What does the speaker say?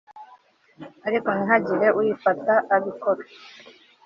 ariko ntihagire uyifata abikora